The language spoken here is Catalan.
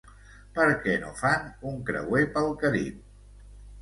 Per què no fa un creuer pel Carib?